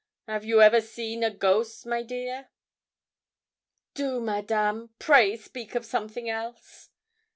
'Av you ever see a ghost, my dear?' 'Do, Madame, pray speak of something else.'